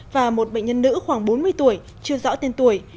và một bệnh nhân nữ khoảng bốn mươi tuổi chưa rõ tên tuổi